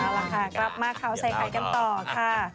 เอาล่ะค่ะกลับมาข่าวใส่ไข่กันต่อค่ะ